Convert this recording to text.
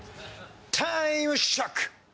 タイムショック！